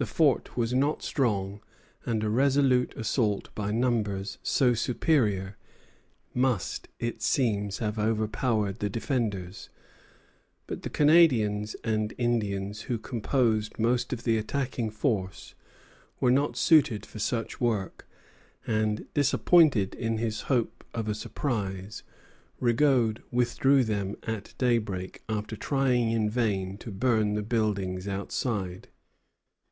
The fort was not strong, and a resolute assault by numbers so superior must, it seems, have overpowered the defenders; but the Canadians and Indians who composed most of the attacking force were not suited for such work; and, disappointed in his hope of a surprise, Rigaud withdrew them at daybreak, after trying in vain to burn the buildings outside.